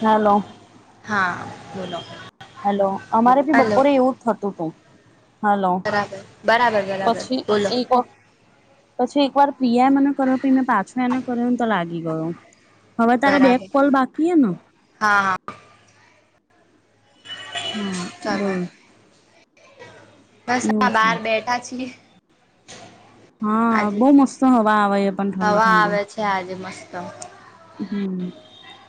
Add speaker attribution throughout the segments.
Speaker 1: Hello
Speaker 2: હા બોલો
Speaker 1: hello, અમારે ભી
Speaker 2: હલો
Speaker 1: બપોરે એવું જ થતુ તુ હલો
Speaker 2: બરાબર બરાબર બરાબર
Speaker 1: પછી,
Speaker 2: બોલો
Speaker 1: એક કો પછી, એક વાર પ્રિયા એ મને કર્યો પ મેં પાછો એને કર્યોને, તો લાગે ગયો, હવે તારે બેક
Speaker 2: બરાબર
Speaker 1: કોલ બાકી હ ને
Speaker 2: હા હા
Speaker 1: હા બ
Speaker 2: ચલો બસ હા, બહાર બેઠા છીએ
Speaker 1: હા
Speaker 2: આજે
Speaker 1: બહુ મસ્ત હવા આવે છે પણ ઠંડી
Speaker 2: હવા આવે છે, આજે મસ્ત
Speaker 1: હમ્મ,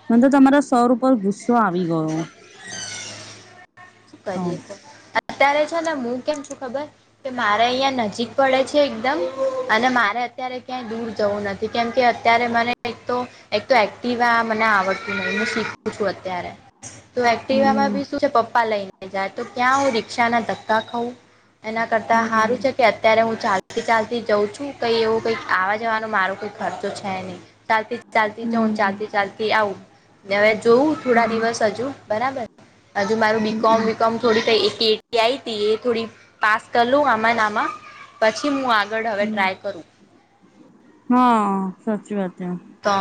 Speaker 1: મ તો તમારા સવર ઉપર ગુસ્ શું આવી, ગયો
Speaker 2: શું કરીએ તો અત્યારે છે, ને હું કેમ છું ખબર કે મારે અહિયાં નજીક પડે છે એકદમ અને મારે અત્યારે ક્યાંય દૂર જવુ, નથી. કેમકે અત્યારે મને એક તો તો એક્ટવા મને આવડતું નથી હુ, શીખું છુ, અત્યારે તો એક્ટિવામાં
Speaker 1: હમ
Speaker 2: બી શું છે, પપ્પા લઈને જાય તો ક્યાં હુ, રિક્ષાના ધક્કા ખઉં એના કરતા
Speaker 1: હમ
Speaker 2: સારુ છે, કે અત્યારે હુ ચાલતી, ચાલતી જઉ છુ, કઈ એવો કઈ આવા જવાનો મારો કઈ ખર્ચો છે, નહી ચાલતી ચાલતી જઉન
Speaker 1: હમ
Speaker 2: ચાલતી, ચાલતી આવઉ હવે જોવુ, થોડા
Speaker 1: હમ
Speaker 2: દિવસ હજુ બરાબર હજુ મારું બીકોમ
Speaker 1: હમ
Speaker 2: વીકોમ થોડી એ થોડી, પાસ કરઉ આમા નામાં પછી. હ આગળ હવે,
Speaker 1: હમ
Speaker 2: ટ્રાય કરુ
Speaker 1: હા, સાચી વાત છે
Speaker 2: તો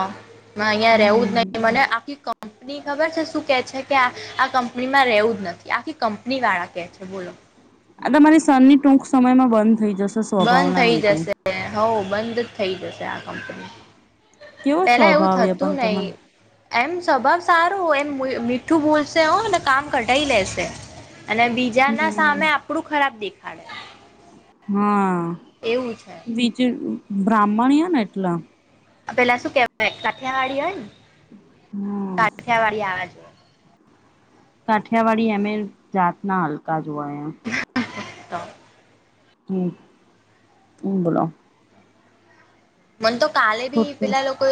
Speaker 2: અહિયાં રવુ, જ
Speaker 1: હમ
Speaker 2: નહી. મને આખી કપની ખબર છે, શું કે છે કે આ આ કંપનીમા રહેવું જ નથી. આખી કંપની વાળા કે છે, બોલો
Speaker 1: આ તમારી સનની, ટૂક સમયમાં બંધ થઈ જશે સ્વભાવના લીધે
Speaker 2: હો બંધ જ થઈ જશે આ કંપની
Speaker 1: કેવો
Speaker 2: પેલા એવું
Speaker 1: સ્વભાવ એ પણ
Speaker 2: થતું ન
Speaker 1: તમારે
Speaker 2: એમ સ્વભાવ સારો હો એમ મીઠું ભૂલશે હો ને કામ કઢાઈ લેશે અને બીજા ના
Speaker 1: હમ
Speaker 2: સામે આપણું ખરાબ દેખાડે
Speaker 1: હા
Speaker 2: એવું છે
Speaker 1: બીજ બ્રાહ્મણ ને એટલા
Speaker 2: પેલા શું કેવાય કાઠિયાવાડી હોય ને
Speaker 1: હમ
Speaker 2: કાઠિયાવાડી આવાજ
Speaker 1: કાઠિયાવાડી એમે જાતના હલકા જોવા એમ
Speaker 2: તા
Speaker 1: હમ હમ બોલો
Speaker 2: મને તો કાલે ભી
Speaker 1: ખોટું
Speaker 2: પેલા લોકો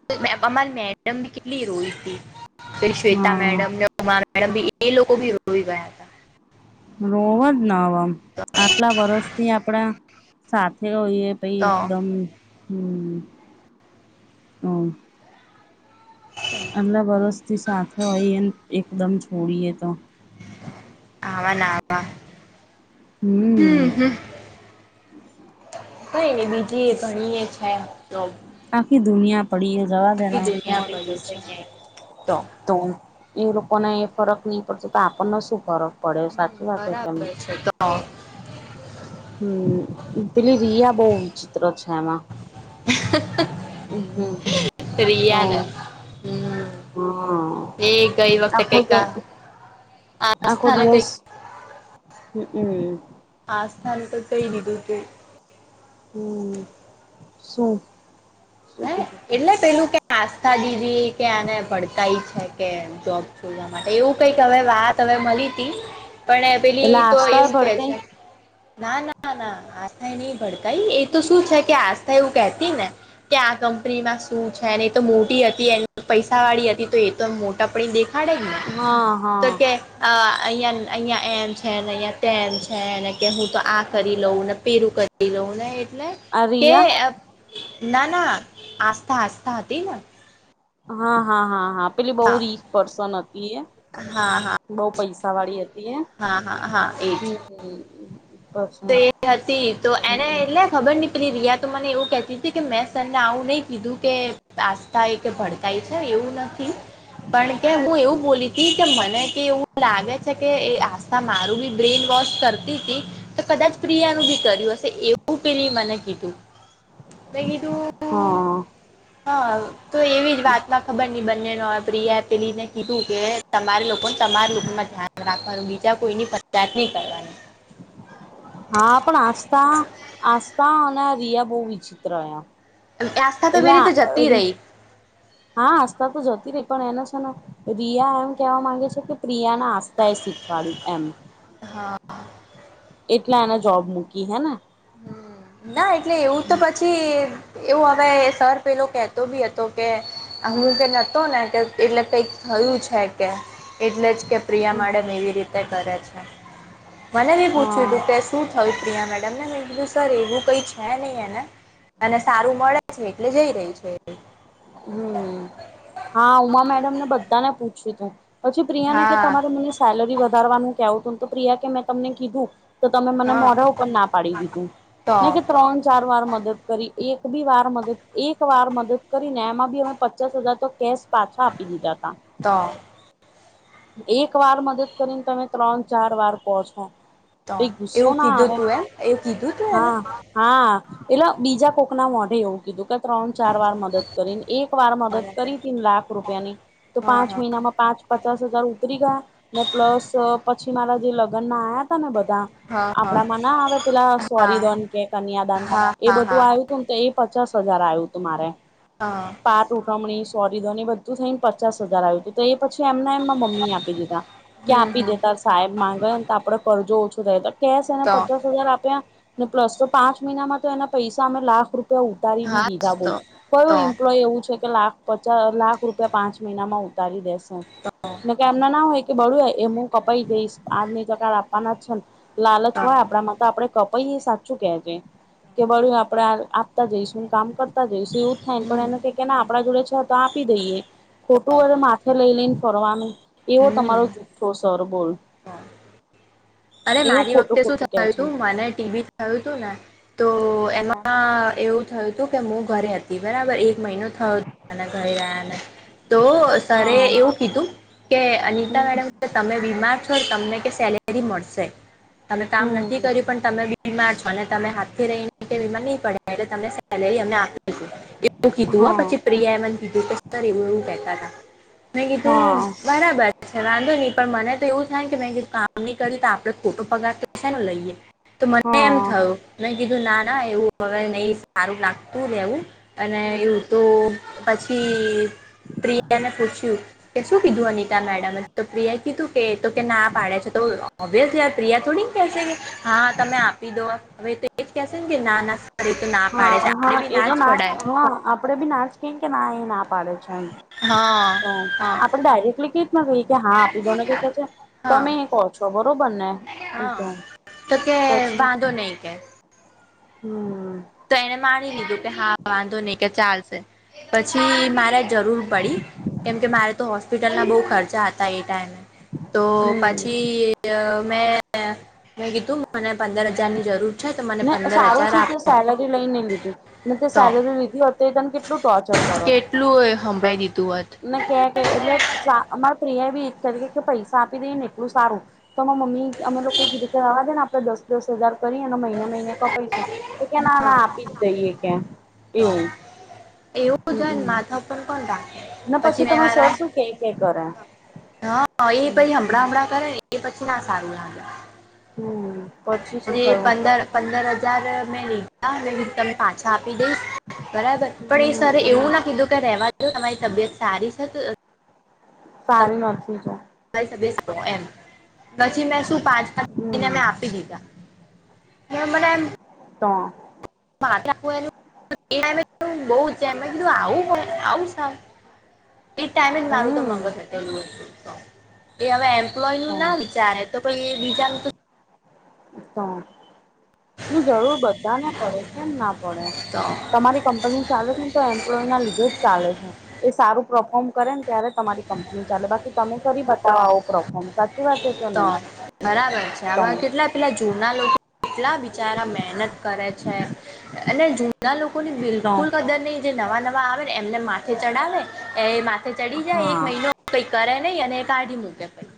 Speaker 2: અમારી મેડમ બી કેટલી રોઈ હતી શ્વેતા
Speaker 1: હા
Speaker 2: મેડમ ઉમા મેડમી એ લોકો ભી રોવી ગયા હતા
Speaker 1: રોવા જ ન હવેમ
Speaker 2: તો
Speaker 1: આટલા વર્ષથી આપડા સાથે એ પ
Speaker 2: તો
Speaker 1: એકદમ હમ હમ આટલા વરસથી સાથે હોય એમ એકદમ છોડીએ તો
Speaker 2: આવવાનાવા
Speaker 1: હમ
Speaker 2: કઈ નય બીજીું એ ઘણી એ છે જોબ
Speaker 1: આકી દુનિયા પડી એ જવા
Speaker 2: આખી
Speaker 1: દના
Speaker 2: દુનિયા
Speaker 1: મળી
Speaker 2: પડી
Speaker 1: જશે
Speaker 2: છે
Speaker 1: કે તો ઈ લોકોને એ ફરક ની પડતો તો આપણને શું ફરક પડે સાચી વાતે કેમ
Speaker 2: બરાબર છે તો
Speaker 1: હમ્મ પેલી રિયા બો વિચિત્ર છે એમાં હમ તો
Speaker 2: પ્રિયાને હમ્મ
Speaker 1: હા
Speaker 2: એ ગઈ
Speaker 1: આખો
Speaker 2: વખતે
Speaker 1: તો
Speaker 2: કા આસ્થાને કઈ
Speaker 1: હમ હમ
Speaker 2: કહી દીધું તું
Speaker 1: હમ શું શું
Speaker 2: હે એટલે પેલું કે આસ્થા દીધી કે આને [unintelligible] છે કે જોબ જોવા માટે એવું કઈક હવે વાત હવે મલી તી પણ
Speaker 1: એટલે
Speaker 2: પેલી તો
Speaker 1: આસ્થા એ
Speaker 2: એવું કે
Speaker 1: ભડકાઈ
Speaker 2: છે ના ના ના આસ્થા એ નહીં ભડકાઈ એ તો શું છે કે આસ્થા એવું કેતી ને કે આ કંપનીમાં શું છે એ તો મોટી હતી એ પૈસા વાળી હતી તો એ તો મોટા આ
Speaker 1: હા હા
Speaker 2: અહીંય અહીંયા એમ છે ને અહીંયા તેમ છે ને કે હું તો આ કરી લઉં ને પેલું કરી લઉં ને એટલે
Speaker 1: આ
Speaker 2: કે
Speaker 1: રિયા
Speaker 2: ના ના આસ્થા આસ્થા હતી ને
Speaker 1: હા હા હા હા પેલી બોવ રિચપર્સન હતી એ
Speaker 2: હા હા
Speaker 1: બો પૈસા સા વાડી હતી એ
Speaker 2: હા હા હા એજ
Speaker 1: હમ
Speaker 2: તો
Speaker 1: પછી
Speaker 2: એ હતી તો એને એટલે ખબર ની પેલી રિયા તો મને એવું કહેતી હતી કે મેં સર ને આવું નઈ કીધું કે આસ્થા એ કે ભડકાઈ છે એવું નથી પણ કે હું એવું બોલી હતી કે મને કે એવું લાગે છે કે એ આસ્થા મારું બી બ્રેન વોસ કરતી તી તો કદાચ પ્રિયા નું બી કર્યું હશે એવું પેલી એ મને કીધું મેં કીધું
Speaker 1: હા
Speaker 2: હા તો એવી જ વાત મા ખબર ની બંને નો પ્રિયઆ પેલીને કીધું કે તમારે લોકોને તમારા લોકોમાં ધ્યાન રાખવાનું બીજા કોઈની ફરિયાદ ની કરવાની
Speaker 1: [inaudible] હા પણ આસ્થા આસ્થા અને રિયા બો વિચિત્ર રહ્યા
Speaker 2: આસ્થા [unintelligible] જતી
Speaker 1: એટલે
Speaker 2: રઈ
Speaker 1: હા આસ્તા તો જતી રઈ પણ એનો છે ને રિયા એમ કેવા માંગે છે કે પ્રિયા ના આસ્થા એ શીખવાડ્યું એમ
Speaker 2: હા
Speaker 1: એટલે એ જોબ મૂકી હે ને
Speaker 2: હ ના એટલે એવું તો પછી એવું હવે સર પેલો કેતો બી હતો કે હું કે નતો ને કે એટલે કંઈક કયું છે કે એટલે જ કે પ્રિયા મેડમ એવી રીતે કરે છે મને બી પૂછ્યું
Speaker 1: હા
Speaker 2: હતું કે શું થયું પ્રિયા મેડમ ને મેં કીધું સર એવું કઈ છે નઈ એને અને સારું મળે છે એટલે જઈ રહી છે એ
Speaker 1: હમ હા ઉમા મેડમને બધાને પૂછ્યું તું પછી પ્રિયા ને કે
Speaker 2: હા
Speaker 1: તમારે મને સેલરી વધારવાનું કેવું હતું તો પ્રિયા કે મેં તમને કીધું તો તમે મને
Speaker 2: હા
Speaker 1: મોઢા ઉપર ના પાડી દીધું
Speaker 2: તો
Speaker 1: ને કે ત્રણ ચાર વાર મદદ કરી એક બી વાર મદદ એક વાર મદદ કરીને એમાં બી અમે પચાસ હજાર તો કેશ પાછા આપી દીધા તા
Speaker 2: તો
Speaker 1: એક વાર મદદ કરીને તમે ત્રણ ચાર વાર પહોચો
Speaker 2: તો
Speaker 1: ગુસ્સો
Speaker 2: એવું
Speaker 1: ના
Speaker 2: કીધું
Speaker 1: આવે
Speaker 2: તું એમ એવું કીધું તું એને
Speaker 1: હા હા એલા બીજા કોક ના મોઢે એવું કીધું ત્રણ
Speaker 2: હા હા
Speaker 1: ચાર વાર મદદ કરીને એક વાર મદદ કરી તીને લાખ રૂપિયાની તો પાંચ મહિનામાં પાંચ પાંચ- ઉતરી ગયા ને પ્લસ પછી મારા જે લગ્ન માં બધા
Speaker 2: હા હા હા
Speaker 1: આપડામાં ના આવે પેલા
Speaker 2: હા
Speaker 1: સોરી દન કે કન્યાદાન
Speaker 2: હા
Speaker 1: એ બધું
Speaker 2: હા
Speaker 1: આવ્યું હતું ને તો એ પચાસ હજાર આવ્યું તું મારે
Speaker 2: હા
Speaker 1: પાટ સોરી ધોની બધું થઈને પચાસ હજાર આવ્યું હતું તો એ પછી એમને એમમાં મમ્મી આપી દીધા ક્યાં
Speaker 2: હમ
Speaker 1: આપી
Speaker 2: હમ
Speaker 1: દેતા સાહેબ માંગેને તો આપડે કરજો ઓછો થાય તો કેશ એને
Speaker 2: તો
Speaker 1: પચાસ હજાર આપ્યા અને પ્લસ તો પાંચ મહિનામાં તો એના પૈસા અમે લાખ રૂપ ઉતારી
Speaker 2: હા
Speaker 1: બી દીધા બોલ
Speaker 2: તો
Speaker 1: કયું
Speaker 2: તો
Speaker 1: એમ્પ્લોય એવું છે કે લાખ પચાસ લાખ રૂપિયા પાંચ મહિનામાં ઉતારી દેશે કે એમના નામ હોય કે બળ્યું એ હું કપાઈ જઈશ આજની ચકા આપવાના જ છ લાલચ
Speaker 2: તો
Speaker 1: હોય આપણામાં તો આપડે પ એ સાચું કે છે કે બળું આપડે આપતા જઈશું હું કામ કરતા જશ એવું થાયને
Speaker 2: હમ
Speaker 1: પણ એનેને આપણા જોડે છે તો આપી દઈએ ખોટું વ માથે લઈ લઈને ફનું એવો તમારો જુઠ્ઠો સર બોલ
Speaker 2: હ અરે
Speaker 1: એવું
Speaker 2: મારી
Speaker 1: ખોટું
Speaker 2: વખતે શું
Speaker 1: ખોટું કે
Speaker 2: થયું
Speaker 1: છે
Speaker 2: તું મને ટીવી થયું તું ને તો તો
Speaker 1: હા
Speaker 2: એમાં એવું થયું હતું કે હું ઘરે હતી બરાબર એક મહિનો થયો ઘરે રહ્યાને તો સરારે
Speaker 1: હા
Speaker 2: એવું કીધું કે અનિતા
Speaker 1: હમ
Speaker 2: મેડમ તમે વીમાર છો તમને કે સેલેરી મળશે તમે કામ નથી
Speaker 1: હમ
Speaker 2: કર્યું પણ તમે બીમાર છો અને તમે હાથથી રહી ને કે વીમા નહી પડે એટલેમને સેલેરી અમને એવું કીધું
Speaker 1: હા
Speaker 2: પછી પ્રિયા એમને કીધું પછ સર એવું એવું કહેતા હતા મેં
Speaker 1: હા
Speaker 2: કીધું બરાબર છે વાંધો નહી પણ મને તો એવું થ ને કે મેં કીધું કામ નહી કર્યું તો આપ આપ ખોટું પગાર છે ને લઈએ તો મને એમ
Speaker 1: હા
Speaker 2: થયું કીધું ના ના એવું હવે નહી સારું લાગતુંેવું અને યું તો પછી પ્રિયાને પૂછ્યું કે શું કીધું અનિતા મેડમે તો પ્રિયા કીધું કે કે ના પાડે છે તો બેસ યાર પ્રિયા થોડી કેહેશે હા તમે આપી દો હવે તો એ જ કેહેશે ને કે ના ના સર એ તો ના પાડે
Speaker 1: હા
Speaker 2: છે આપણે
Speaker 1: હા
Speaker 2: બી
Speaker 1: એ તો
Speaker 2: જ
Speaker 1: ના હ
Speaker 2: પડાય
Speaker 1: આપડે બી નાચ કે કે ના એ ના પાડે છે અ
Speaker 2: હા
Speaker 1: તો
Speaker 2: હા
Speaker 1: આપણે ડાયરેક્ટલી કે કહી કે હા આપી દો ને ક છે
Speaker 2: હા
Speaker 1: તમે એ કહો છો બસ બરોબર ને
Speaker 2: હા કે
Speaker 1: તો પછી
Speaker 2: વાંધો નહી કે
Speaker 1: હમ
Speaker 2: તો એને માની લીધું કે હા વાંધો નહી કે ચાલશે પછી મારા જરૂર પડી કેમ કે મારે તો હોસ્પિટલના બહુ ખર્ચા હતા એ ટાઈમે તો
Speaker 1: હમ
Speaker 2: પછી મેં મેં કીધું મને પંદર હજાર ની જરૂર છે, તો મને પંદર હજાર આપ
Speaker 1: સેલેરી લઈ ને લીધી ને તે સેલરી લીધી તને કેટલું ટોર્ચર કરો
Speaker 2: કેટલું એ સંભળાઈ દીધું હોત
Speaker 1: ના કે કે એટલે સા અમારા પ્રિયા એ બી એક કરી કે પૈસા આપી દઈને એટલું સારું તોમાં મમ્મી અમે લોકો કીધુ કે રેવા દેને દસ દસ હજાર કરી અને મહિને કપસુ તો કે ના ના
Speaker 2: હા
Speaker 1: આપી જ દઈએ કે
Speaker 2: તો
Speaker 1: એવું
Speaker 2: એવું જ
Speaker 1: હમમ
Speaker 2: માથાપન કોણ રા
Speaker 1: ને
Speaker 2: પછી મે
Speaker 1: તમારા
Speaker 2: મારા
Speaker 1: સર શું કે કે કરે
Speaker 2: હા એ પહી હમણાં હમ કરે એ પછી ના સારું લાગે
Speaker 1: હમ. પછી શું થયું
Speaker 2: પંદર પંદર હજાર મેં લીધા તમ પા છા આપી દઈશ બરાબર પણ એ સર
Speaker 1: હમ
Speaker 2: એવું ના કીધું કે રેવા દ તમારી તબિયત સારી થત.
Speaker 1: સારી નથીજ
Speaker 2: [unintelligible] પછી મે શું પાંચ પાને મે
Speaker 1: હમ
Speaker 2: આપી દીધા ને મને એમ
Speaker 1: તો.
Speaker 2: [inaudible] એ ટાઈમે જ મારું તો મગજ
Speaker 1: હમ
Speaker 2: હટેલુ એ હવે એમ એમ્પ્લોયનુ
Speaker 1: તો
Speaker 2: ના વિચારે તો કોઈ એ બીજાનું
Speaker 1: તો જરૂર બધાને પડે કેમ ના પડે
Speaker 2: તો
Speaker 1: તમારી કંપની ચાલે છે, ને તો એમ્પ્લોયના લીધે જ ચાલે છે, એ સારું પરફોર્મ કરે ને ત્યારે તમારી કંપની ચાલે બાકી તમે કરી બતાવો આવો પરફોર્મ સાચી વાત છે કે
Speaker 2: ત
Speaker 1: નહી
Speaker 2: બરાબર છે,
Speaker 1: તો
Speaker 2: આમાં કેટલા પેલા જૂના લો કેટલા બિચારા મહેનત કરે છે, અને જૂના લોકોની
Speaker 1: તો
Speaker 2: બિલકુલ કદર નહી જે નવા નવા આવે ને એમને માથે ચડાવે એ માથે ચડી જાય એક
Speaker 1: હા
Speaker 2: મહિનો પૈ કરે નહી અને કાઢી મૂકે પઈ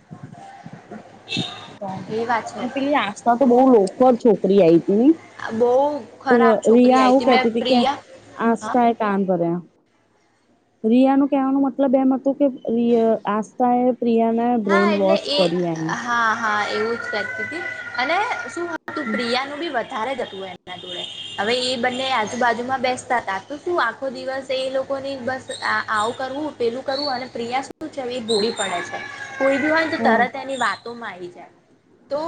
Speaker 2: વાત છે
Speaker 1: ને પેલી આસ્થા તો બોવ લોફર છોકરી આઈ
Speaker 2: આ બહુ ખરાબ
Speaker 1: [unintelligible] રિયા
Speaker 2: છોકરી આવી
Speaker 1: આવું
Speaker 2: મેં
Speaker 1: કેતી હતી કે
Speaker 2: પ્રિયા હા
Speaker 1: આસ્થા એ કાન ભર્યા. રિયા નુ કેવાનો મતલબ એમ હતું કે રીય આસ્થા એ પ્રિયાને
Speaker 2: હા
Speaker 1: બ્રેઇન
Speaker 2: એટલે
Speaker 1: વોશ
Speaker 2: એ
Speaker 1: કર્યું એમ
Speaker 2: હા હા એવું જ કેહતી હતી અને શું તું
Speaker 1: એમ
Speaker 2: પ્રિયાનું બી વ વધારે જ હતું એના જોડે હવે એ બંને આજુબાજુમાં બેસતા હતા તો શું આખો દિવસ એ લો લોકોને બસ આ આવું કરવું પેલું કરવું અને પ્રિયા શું છે, એવી ભોડી પડે છે. કોઈ બી હોય તો
Speaker 1: હા
Speaker 2: તરત એની વાતોમાં આવી જાય તો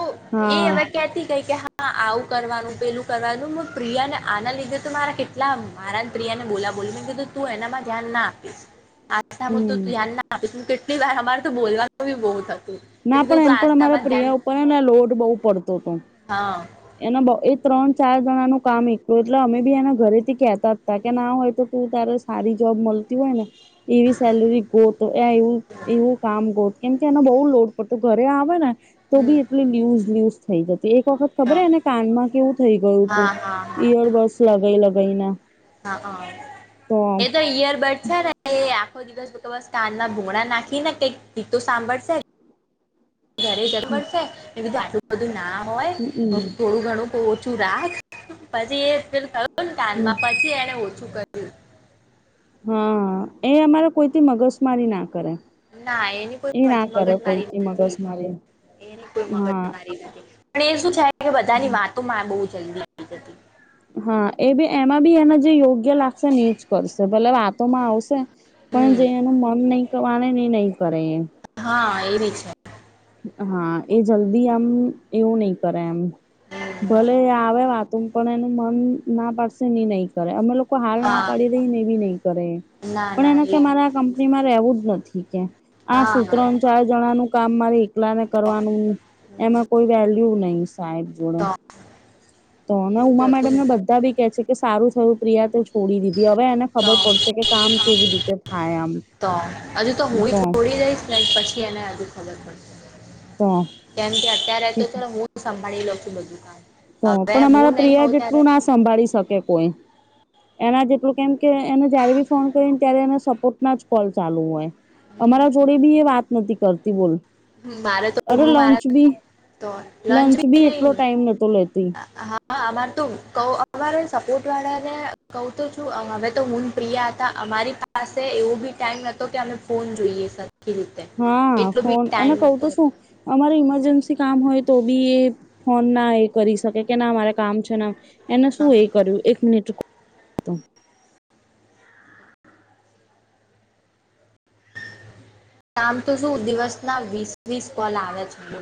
Speaker 2: એ
Speaker 1: હા
Speaker 2: અવે કેતી ગઈ કે હા હા આવું કરવાનું પેલું કરવાનું પ્રિયા ને આના લીધે તો મારા કેટલા મારાન પ્રિયા ને બોલા બોલ કીધું તુ એનામાં ધ્યાન ના આપીશ
Speaker 1: હમ
Speaker 2: [unintelligible] કેટલી વાર અમારે તો બોલવાનું બી બો થ
Speaker 1: ના પણ એમ પણ અમારા પ્રિયા ઉપરને લોડ બહુ પડતોતો.
Speaker 2: હા
Speaker 1: એના બ એ ત્રણ ચાર જણાનું કામ એકલું એટલે અમે બી એના ઘરે થી કેતાતા કે ના હોય તો તું તા સારી જોબ મલતી હોય ને એવી સેલરી ગોત એવું એવું કામ ગોત કેમ કે એનો બહુ લોડ પડતો ઘરે આવે ને તો
Speaker 2: હમ
Speaker 1: બી એટલી લ્યુઝ લયુઝ થઈ જતી એક વ
Speaker 2: હા
Speaker 1: ખબરને કાનમાં કેવું થઈ ગયું તું
Speaker 2: હા હા
Speaker 1: ઈયરબડસ લગાઈ લગાઈને
Speaker 2: હા હ એ તો ઈયરબર્ડ છે, ને એ આખો દિવસ [unintelligible] બસ કાનના ભૂગણા નાખી ને કઈક ગીતો સાંભળશે ઘરે [unintelligible] પડશે મેં કીધુ આટલું બધુ ના હોય થોડુ ઘણુ ઓછુ રાખ પછી એ પેલું થયું ને
Speaker 1: હમ
Speaker 2: કાનમાં પછી એને ઓછું કર્યું
Speaker 1: હા એ અમારે કોઈથી મગજમારી ના કરે
Speaker 2: ના એની કોઈ
Speaker 1: એ ના કરે કોઈ
Speaker 2: મગજમારી
Speaker 1: થી
Speaker 2: નથી તો
Speaker 1: મગજમારી
Speaker 2: એની કોઈ મગજ
Speaker 1: હા
Speaker 2: મારી નથી પણ એ શું છે કે બધાની વાતોમાં બહુ જલ્દી આવી જતી
Speaker 1: હા એ બી એમાં બી એના જે યોગ્ય લાગશે ની જ કરશે બલેબ વાતોમાં આવશે પણ જે
Speaker 2: હમ
Speaker 1: એનું મન નહી પ્રમાણે એ નહી કરે એમ
Speaker 2: હા એવી છે
Speaker 1: હા એ જલ્દી આમ એવું નહી કરે એમ
Speaker 2: હમ
Speaker 1: ભલે આવે વાત પણ એનું મન ના પાડશે એ નહી કરે અમે લો હાલ ના
Speaker 2: હા
Speaker 1: પાડી દેયીને એ બ નહી કરે એ
Speaker 2: ના
Speaker 1: પણ
Speaker 2: ના
Speaker 1: એના
Speaker 2: એ
Speaker 1: કે મારે કંપનીમાં રહેેવું જ નથી કે આ
Speaker 2: હા
Speaker 1: સુુંત્રણ ચાર જણા નું કામ મારી એકલાને કરવાનું
Speaker 2: હમ
Speaker 1: એમાં કોઈ વેલ્યુ નહી સાહેબ જોડે
Speaker 2: તો
Speaker 1: તો હમે ઉમા
Speaker 2: એવું જ હતું
Speaker 1: મેડમને બધા બી કે છે કે સારું થયું પ્રિયા તો છો છોડી દીધી હવે એને ખબર
Speaker 2: ને
Speaker 1: પડશે કે કામ કેવી રીતે થાય આમ
Speaker 2: તો હજુ તો હુંય છોડી દઈશ ને પછી એને હજુ ખબર પડશે
Speaker 1: તો
Speaker 2: કેમ કે અત્યારે તો ચલો હું સંભાળી લોઉ છું બધું કામ
Speaker 1: તો
Speaker 2: હવે
Speaker 1: પણ
Speaker 2: હું
Speaker 1: અમારા
Speaker 2: નહીં
Speaker 1: પ્રિયા
Speaker 2: હોઉં ત્યારે
Speaker 1: જેટલું ના સંભાળી શકે કોઈ એના જેટલું કેમ કે એને જયારે બી ફોન કરી ને ત્યારે એને સપોર્ટના જ કોલ ચાલુ હોય અમારા જોડે બી એ વાત નથી કરતી બોલ
Speaker 2: મારે તો
Speaker 1: અરે
Speaker 2: હું
Speaker 1: લંચ
Speaker 2: મારા
Speaker 1: બી લંચ બી એટલો ટાઈમ નતો લેતો
Speaker 2: હા અમારે તું ક અમા સપોર્ટ વાળા ને કહુ તો છું હવે તો હું પ્રય હતા અમારી પાસે એવું બી ટાઈમ કે ફોન જોઈએ [unintelligible]
Speaker 1: હા
Speaker 2: એટલો બી
Speaker 1: ફોન અને
Speaker 2: ટાઈમ
Speaker 1: કઉ
Speaker 2: નહોતો
Speaker 1: તો શું
Speaker 2: હતો
Speaker 1: અમારી ઇમરજન્સી કામ હોય તો બી એ ફોન ના એ કરી શકે કે ના મારે કામ છે એને શું એ
Speaker 2: હા
Speaker 1: કર્યું એક મિનિટ
Speaker 2: આમ તો શું દિવસના વીસ વીસ કોલ આવે છે